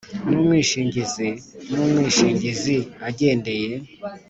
n umwishingizi n umwishingizi agendeye